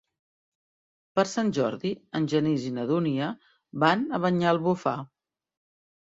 Per Sant Jordi en Genís i na Dúnia van a Banyalbufar.